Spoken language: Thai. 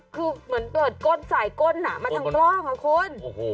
คือเหมือนเปิดก้นสายก้นมาทางกล้องอ่ะคุณ